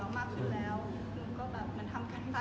ก็พยายามที่มากขึ้นไปดูค่ะ